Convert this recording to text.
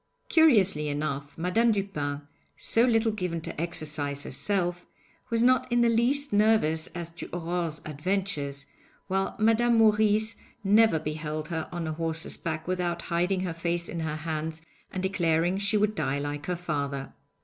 Curiously enough, Madame Dupin, so little given to exercise herself, was not in the least nervous as to Aurore's adventures, while Madame Maurice never beheld her on a horse's back without hiding her face in her hands and declaring she would die like her father.